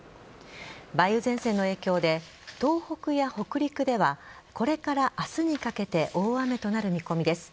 梅雨前線の影響で東北や北陸ではこれから明日にかけて大雨となる見込みです。